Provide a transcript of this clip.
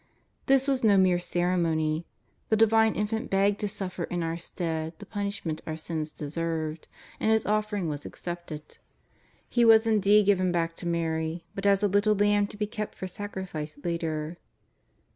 This was no mere ceremony. The Divine Infant begged to suffer in our stead the punishment our sins deserved, and His offering was ac cepted. He was indeed given back to Mary, but as a little lamb to be kept for sacrifice later.